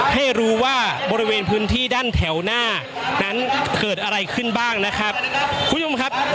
ให้รู้ว่าบริเวณพื้นที่ด้านแถวหน้านั้นเกิดอะไรขึ้นบ้างนะครับคุณผู้ชมครับ